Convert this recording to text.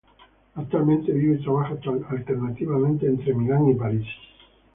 Actualmente vive y trabaja alternativamente en Milán y París.